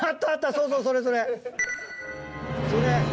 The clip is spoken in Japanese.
そうそうそれそれそれ！